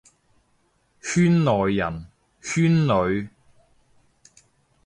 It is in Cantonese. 圈內人，圈裏，